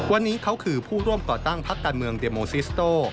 วันนี้เขาคือผู้ร่วมก่อตั้งพักการเมืองเดโมซิสโต้